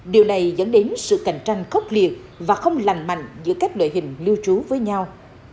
điều này dẫn đến sự cạnh tranh khốc liệt và không lành mạnh giữa các loại hình lưu trú với nhau